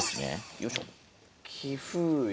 よいしょ。